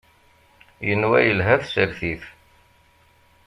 Yenwa yelha tsertit.